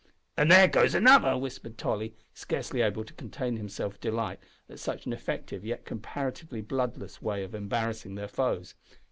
"An' there goes another!" whispered Tolly, scarcely able to contain himself with delight at such an effective yet comparatively bloodless way of embarrassing their foes.